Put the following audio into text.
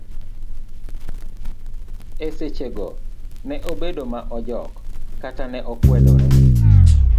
Eseche go ne obedo ma ojok kata ne okwedore.